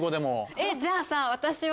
えっじゃあさ私は？